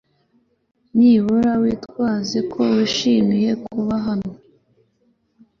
Nibura witwaze ko wishimiye kuba hano